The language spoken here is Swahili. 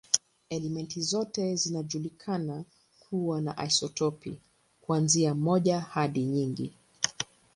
Elementi zote zinajulikana kuwa na isotopi, kuanzia moja hadi nyingi.